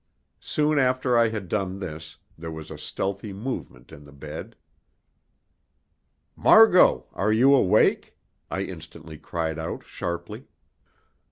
Soon after I had done this there was a stealthy movement in the bed. "Margot, are you awake?" I instantly cried out sharply.